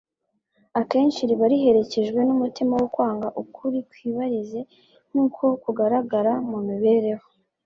akenshi riba riherekejwe n'umutima wo kwanga ukuri kw'ibarize nk'uko kugaragara mu mibereho.